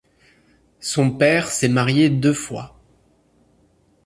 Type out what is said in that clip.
Son père s'est marié deux fois.